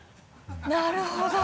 なるほど。